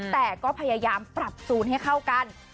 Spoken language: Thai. แต่ก็พยายามปรับจูนให้เข้ากัน